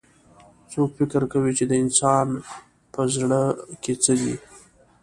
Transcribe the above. څوک فکر کوي چې د انسان پهزړه کي څه دي